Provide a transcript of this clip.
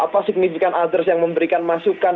misalnya kekurangan jaringan pertemanan